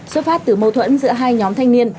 xuất phát từ mâu thuẫn giữa hai nhóm thanh niên